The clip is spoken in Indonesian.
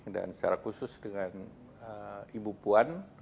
dan secara khusus dengan ibu puan